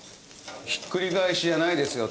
ひっくり返しじゃないですよ